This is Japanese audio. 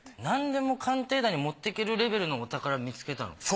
「なんでも鑑定団」に持っていけるレベルのお宝見つけたの？